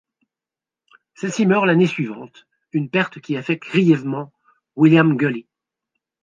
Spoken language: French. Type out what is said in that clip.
Celle-ci meurt l'année suivante, une perte qui affecte grièvement William Gully.